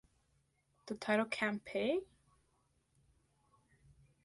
The title Can't Pay?